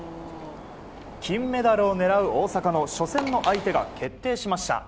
金メダルを狙う大阪の初戦の相手が決定しました。